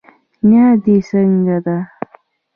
نيا دي څنګه ده